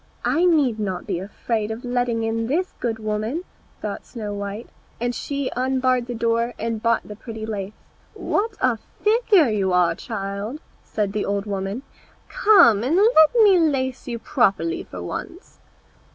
"I need not be afraid of letting in this good woman," thought Snow white, and she unbarred the door and bought the pretty lace. "What a figure you are, child!" said the old woman, "come and let me lace you properly for once."